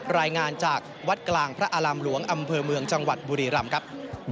รายงานจากวัดกลางพระอารามหลวงอำเภอเมืองจังหวัดบุรีรำครับ